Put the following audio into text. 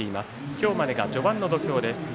今日までが序盤の土俵です。